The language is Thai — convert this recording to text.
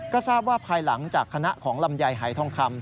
ก็ทราบว่าภายหลังจากคณะของลำไยหายทองคำ